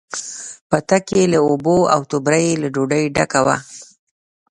پتک یې له اوبو، او توبره یې له ډوډۍ ډکه وه.